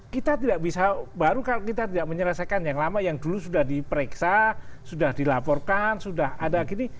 kita tidak bisa baru kalau kita tidak menyelesaikan yang lama yang dulu sudah diperiksa sudah dilaporkan sudah ada gini